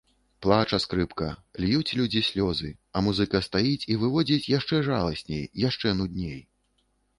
Плача скрыпка, льюць людзі слёзы, а музыка стаіць і выводзіць яшчэ жаласней, яшчэ нудней.